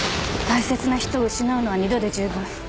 大切な人を失うのは二度で十分。